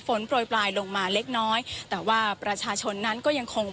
โปรยปลายลงมาเล็กน้อยแต่ว่าประชาชนนั้นก็ยังคง